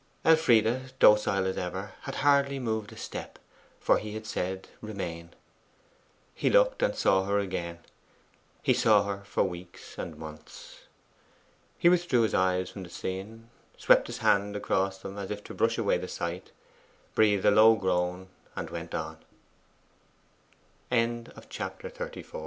Elfride, docile as ever, had hardly moved a step, for he had said, Remain. He looked and saw her again he saw her for weeks and months. He withdrew his eyes from the scene, swept his hand across them, as if to brush away the sight, breathed